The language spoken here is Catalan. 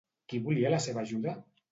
Qui volia la seva ajuda?